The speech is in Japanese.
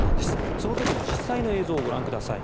その時の実際の映像をご覧ください。